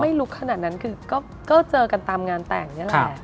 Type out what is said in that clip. ลุกขนาดนั้นคือก็เจอกันตามงานแต่งนี่แหละ